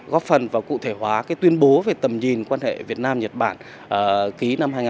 góp phần và cụ thể hóa tuyên bố về tầm nhìn quan hệ việt nam nhật bản ký năm hai nghìn hai mươi